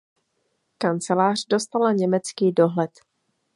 Kancelář dostala německý dohled.